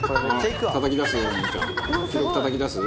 「たたき出す？